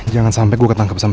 jangan sampai gue ketangkep sama